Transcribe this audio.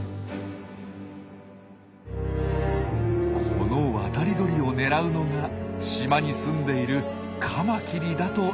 この渡り鳥を狙うのが島にすんでいるカマキリだといいます。